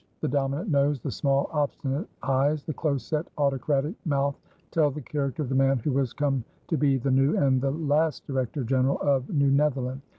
The dominant nose, the small, obstinate eyes, the close set, autocratic mouth, tell the character of the man who was come to be the new and the last Director General of New Netherland.